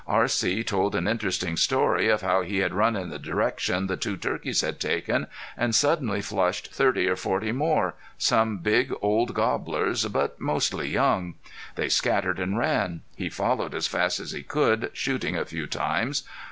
R.C. told an interesting story of how he had run in the direction the two turkeys had taken, and suddenly flushed thirty or forty more, some big old gobblers, but mostly young. They scattered and ran. He followed as fast as he could, shooting a few times.